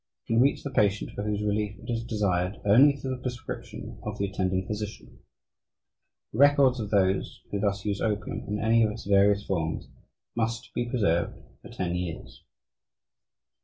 It can reach the patient for whose relief it is desired only through the prescription of the attending physician. The records of those who thus use opium in any of its various forms must be preserved for ten years.